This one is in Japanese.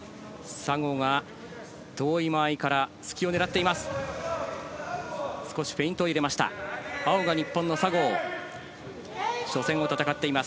佐合が遠い間合いから突きを狙っています。